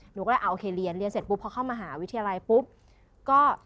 หนูก็เลยโอเคเรียนเรียนเสร็จปุ๊บพอเข้ามหาวิทยาลัยปุ๊บก็